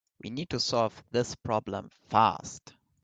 We need to solve this problem fast.